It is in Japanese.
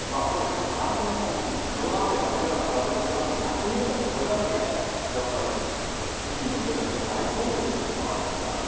これ、一つ半分冗談でやってるようなところあると思いますが、逆に言うと、これだけやっぱり、市民の生活に入り込んでるということなんですが。